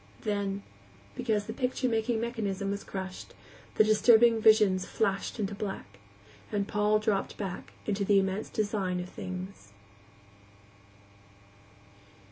Then, because the picture making mechanism was crushed, the disturbing visions flashed into black, and Paul dropped back into the immense design of things.